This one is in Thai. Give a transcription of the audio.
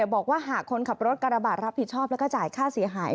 บอกว่าหากคนขับรถกระบะรับผิดชอบแล้วก็จ่ายค่าเสียหาย